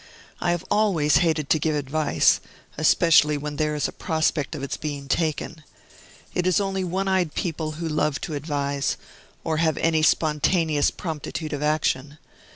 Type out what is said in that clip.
I have always hated to give advice, especially when there is a prospect of its being taken. It is only one eyed people who love to advise, or have any spontaneous promptitude of action.